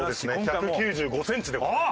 １９５センチでございます。